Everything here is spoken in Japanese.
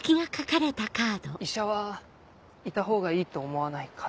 「医者はいたほうがいいと思わないか」